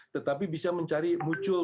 tetapi bisa mencari mutual